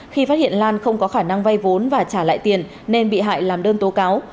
khi phát hiện lan không có khả năng vay vốn và trả lại tiền nên bị hại làm đơn tố cáo